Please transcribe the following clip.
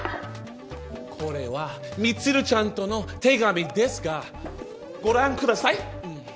これは充ちゃんとの手紙ですがご覧ください。